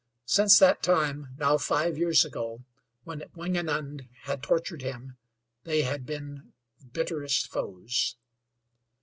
Since that time, now five years ago, when Wingenund had tortured him, they had been bitterest foes.